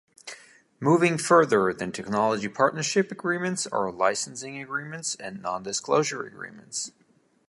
Moving further than Technology Partnership Agreements are Licensing Agreements and Nondisclosure Agreements.